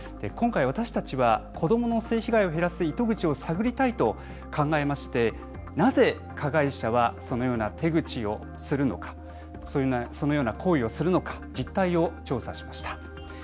今回、私たちは子どもの性被害を減らす糸口を探りたいと考えましてなぜ、加害者はそのような行為をするのか実態を調査しました。